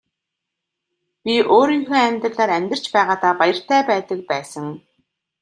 Би өөрийнхөө амьдралаар амьдарч байгаадаа баяртай байдаг байсан.